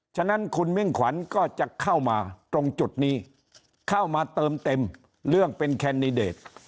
ฉะนั้นคุณมิ่งขวัญก็จะเข้ามาตรงจุดนี้เข้ามาเติมเต็มเรื่องเป็นแคนดิเดต